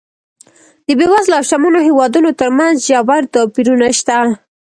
د بېوزلو او شتمنو هېوادونو ترمنځ ژور توپیرونه شته.